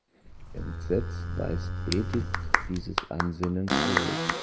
Entsetzt weist Edith dieses Ansinnen zurück.